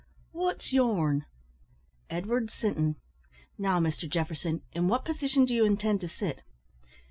"What's yourn!" "Edward Sinton. Now, Mr Jefferson, in what position do you intend to sit?"